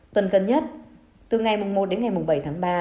tuần gần nhất từ ngày một đến ngày bảy tháng ba